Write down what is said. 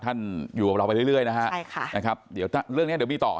ท่านอยู่กับเราไปเรื่อยนะฮะใช่ค่ะนะครับเดี๋ยวเรื่องเนี้ยเดี๋ยวมีต่อ